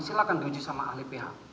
silahkan diuji sama ahli pihak